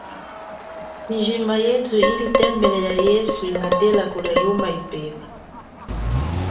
Mijimba yethu ili tembele ya yesu inatela kulia yuma ipema.